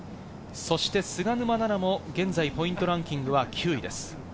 そして菅沼菜々も現在ポイントランキングは９位です。